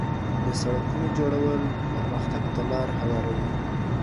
د سړکونو جوړول پرمختګ ته لار هواروي.